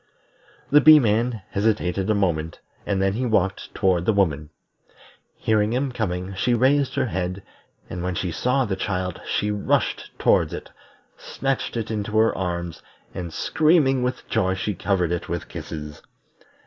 The Bee man hesitated a moment, and then he walked toward the woman. Hearing him coming, she raised her head, and when she saw the child she rushed towards it, snatched it into her arms, and screaming with joy she covered it with kisses.